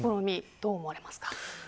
どう思われますか。